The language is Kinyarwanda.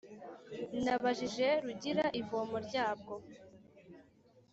Nabajije Rugira ivomo ryabwo